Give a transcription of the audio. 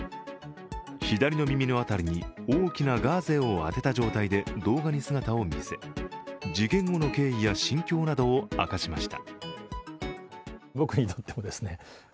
左の耳の辺りに大きなガーゼをあてた状態で動画に姿を見せ、事件後の経緯や心境などを明かしました。